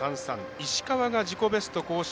石川が自己ベスト更新。